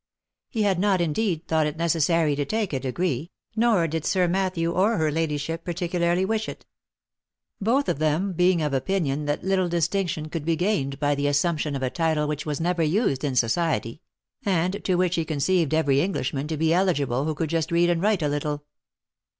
He had not indeed thought it necessary to take a degree, nor did Sir Matthew or her ladyship particularly wish it ; both of them being of opinion that little dis tinction could be gained by the assumption of a title which was never used in society, and to which he conceived every Englishman to be eligible who could just read and write a little.